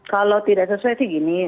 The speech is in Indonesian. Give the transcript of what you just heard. kalau tidak sesuai itu gini